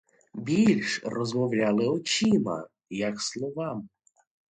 Більш розмовляли очима, як словами.